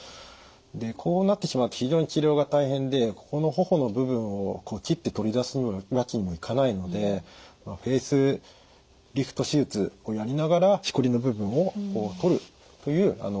でこうなってしまうと非常に治療が大変でここの頬の部分を切って取り出すわけにもいかないのでフェイスリフト手術をやりながらしこりの部分をとるという手術が必要になりました。